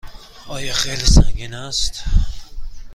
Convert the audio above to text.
آیا خیلی سنگین است؟